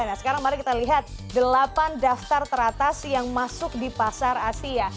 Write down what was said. nah sekarang mari kita lihat delapan daftar teratas yang masuk di pasar asia